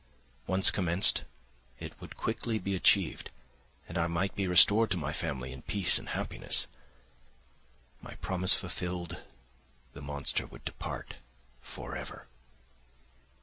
Once commenced, it would quickly be achieved, and I might be restored to my family in peace and happiness. My promise fulfilled, the monster would depart for ever.